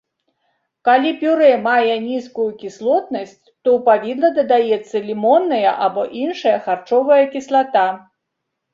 Калі пюрэ мае нізкую кіслотнасць, то ў павідла дадаецца лімонная або іншая харчовая кіслата.